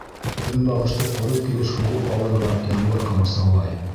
— Көнбағышты ҡоро килеш һуғып алырға ямғыр ҡамасаулай.